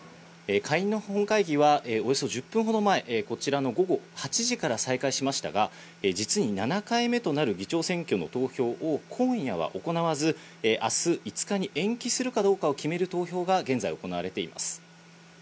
下院の本会議はおよそ１０分ほど前、こちらの午後８時から再開しましたが、実に７回目となる議長選挙の投票を今夜は行わず、明日５日に延期するかどうかを決める投票が現在行われています。